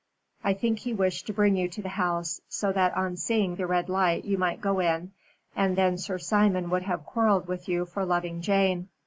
I think he wished to bring you to the house, so that on seeing the red light you might go in, and then Sir Simon would have quarrelled with you for loving Jane.